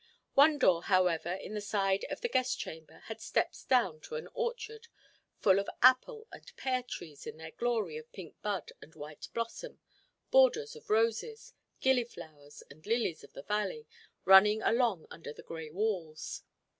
One door, however, in the side of the guest chamber had steps down to an orchard, full of apple and pear trees in their glory of pink bud and white blossom, borders of roses, gillyflowers, and lilies of the valley running along under the grey walls.